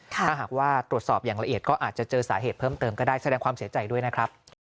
ถ้าหากว่าตรวจสอบอย่างละเอียดก็อาจจะเจอสาเหตุเพิ่มเติมก็ได้แสดงความเสียใจด้วยนะครับ